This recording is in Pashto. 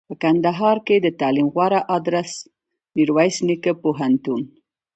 په کندهار کښي دتعلم غوره ادرس میرویس نیکه پوهنتون